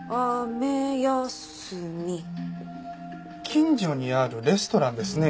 近所にあるレストランですね。